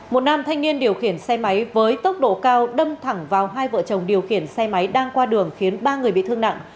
một nam thanh niên điều khiển xe máy với tốc độ cao đâm thẳng vào hai vợ chồng điều khiển xe máy đang qua đường khiến ba người bị thương nặng